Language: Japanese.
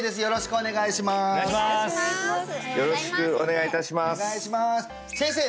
よろしくお願いします